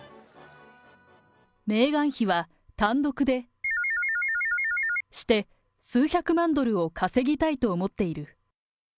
メーガン妃は単独で×××して、数百万ドルを稼ぎたいと思っている。